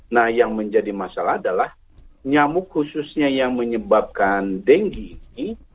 nah yang menjadi masalah adalah nyamuk khususnya yang menyebabkan denggi ini